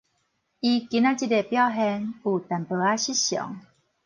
伊今仔日的表現有淡薄仔失常